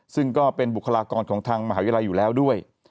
ซึ่งก็เป็นบุคลากรของทางมหาวิทยาลัยอยู่แล้วด้วย